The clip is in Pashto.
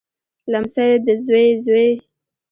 لمسی دزوی زوی